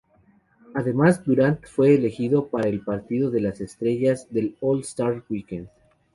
Además Durant fue elegido para el partido de las estrellas del All-Star Weekend.